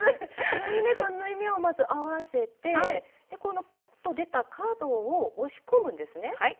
縫い目と縫い目をまず合わせてこのポコッと出た角を押し込むんですね。